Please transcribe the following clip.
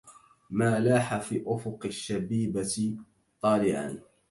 ما لاح في أفق الشبيبة طالعا